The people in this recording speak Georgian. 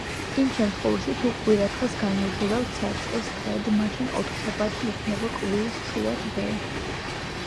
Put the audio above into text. იმ შემთხვევაში, თუ კვირადღეს განვიხილავთ საწყის დღედ, მაშინ ოთხშაბათი იქნება კვირის შუა დღე.